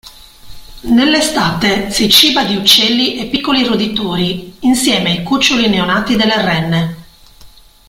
Nell'estate, si ciba di uccelli e piccoli roditori, insieme ai cuccioli neonati delle renne.